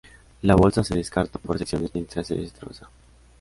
La bolsa se descarta por secciones mientras se destroza.